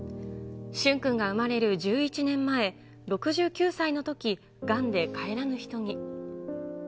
駿君が生まれる１１年前、６９歳のとき、がんで帰らぬ人に。